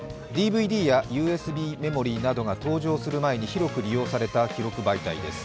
ＤＶＤやＵＳＢメモリなどが登場する前に広く利用された記録媒体です。